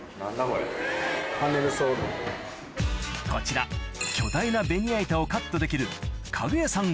こちら巨大なベニヤ板をカットできる家具屋さん